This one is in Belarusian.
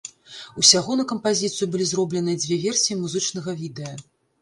Усяго на кампазіцыю былі зробленыя дзве версіі музычнага відэа.